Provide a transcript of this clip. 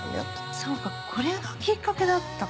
そうかこれがきっかけだったか。